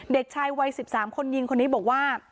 เด็กชายวัย๑๓คนยิงคนนี้บอกว่า